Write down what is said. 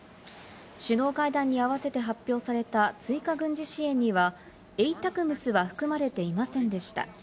首脳会談に合わせて発表された追加軍事支援にはＡＴＡＣＭＳは含まれていませんでした。